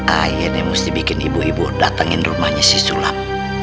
ayah deh mesti bikin ibu ibu datengin rumahnya si sulam